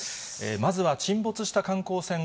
まずは沈没した観光船